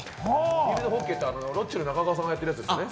フィールドホッケーって、ロッチの中岡さんがやってるやつですね。